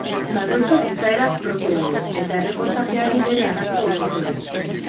Bakoitzak izaera propioa du, eta erreportajeari bere arrastoa utziko dio.